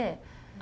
あ。